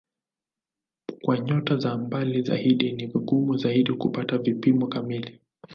Kwa nyota za mbali zaidi ni vigumu zaidi kupata vipimo kamili.